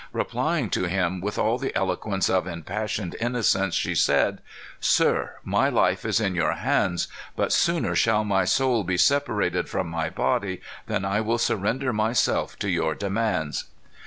Replying to him with all the eloquence of impassioned innocence, she said: "Sir, my life is in your hands. But sooner shall my soul be separated from my body than I will surrender myself to your demands."